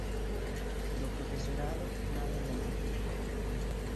Do profesorado, nada de nada.